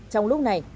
trong lúc này